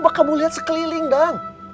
coba kamu lihat sekeliling dang